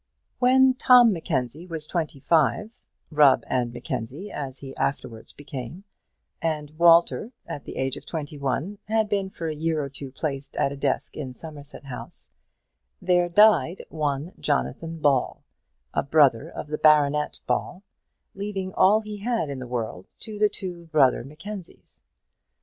When Tom Mackenzie was twenty five "Rubb and Mackenzie" as he afterwards became and Walter, at the age of twenty one, had been for a year or two placed at a desk in Somerset House, there died one Jonathan Ball, a brother of the baronet Ball, leaving all he had in the world to the two brother Mackenzies.